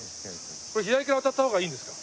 これ左から渡った方がいいんですか？